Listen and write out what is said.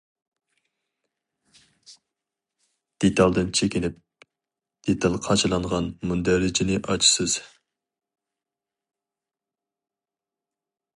دېتالدىن چېكىنىپ دېتال قاچىلانغان مۇندەرىجىنى ئاچىسىز.